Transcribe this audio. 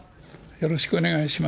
よろしくお願いします。